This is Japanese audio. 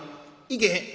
「行けへん」。